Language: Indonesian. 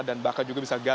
dan bahkan juga bisa gagal